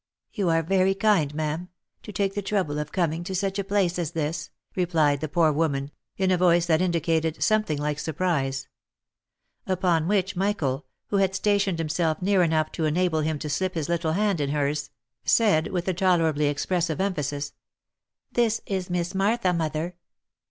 " You are very kind, ma'am, to take the trouble of coming to such a place as this," replied the poor woman, in a voice that indicated something like surprise. Upon which Michael, who had stationed himself near enough to enable him to slip his little hand into hers, said, with a tolerably expressive emphasis —" This is Miss Martha, mother."